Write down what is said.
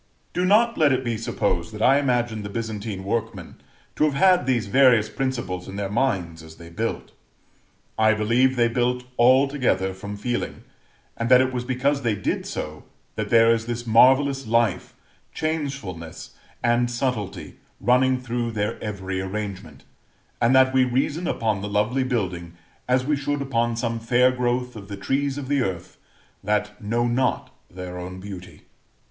Do not let it be supposed that I imagine the Byzantine workmen to have had these various principles in their minds as they built. I believe they built altogether from feeling, and that it was because they did so, that there is this marvellous life, changefulness, and subtlety running through their every arrangement; and that we reason upon the lovely building as we should upon some fair growth of the trees of the earth, that know not their own beauty.